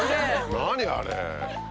何あれ。